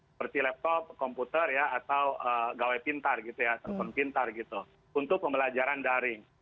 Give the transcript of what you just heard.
seperti laptop komputer atau gawai pintar untuk pembelajaran daring